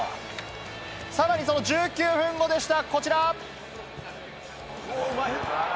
さらにその１９分後、こちら。